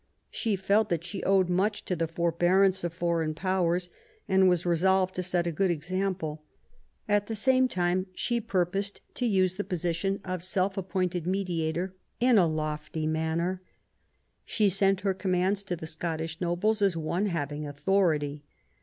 She felt that she owed much to the for bearance of foreign Powers, and was resolved to set a good example. At the same time, she purposed to use the position of self appointed mediator in a lofty manner. She sent her commands to the Scottish nobles as one having authority.